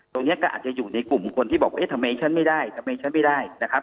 ตรงนี้ก็อาจจะอยู่ในกลุ่มคนที่บอกเอ๊ะทำไมฉันไม่ได้ทำไมฉันไม่ได้นะครับ